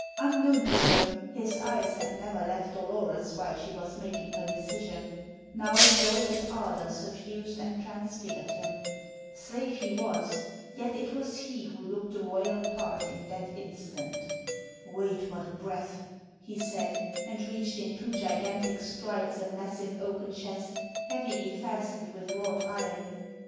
Unknown to her, his eyes had never left Dolores while she was making her decision; now joy and ardor suffused and transfigured him. Slave he was, yet it was he who looked the royal part in that instant. "Wait but a breath," he said, and reached in two gigantic strides a massive oaken chest heavily fastened with wrought iron.